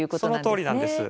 そのとおりなんです。